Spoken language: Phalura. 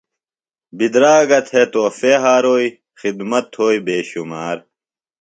بِدراگہ تھےۡ تحفۡے ھاروئی خِدمت تھوئی بے شُمار